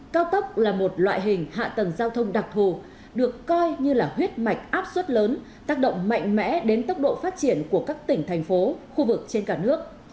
cao tốc là một loại hình hạ tầng giao thông đặc thù được coi như là huyết mạch áp suất lớn tác động mạnh mẽ đến tốc độ phát triển của các tỉnh thành phố khu vực trên cả nước